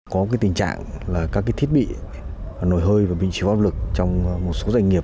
có tình trạng là các thiết bị nổi hơi và bị chiếu áp lực trong một số doanh nghiệp